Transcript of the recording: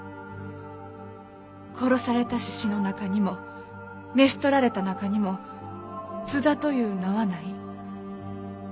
殺された志士の中にも召し捕られた中にも津田という名はない。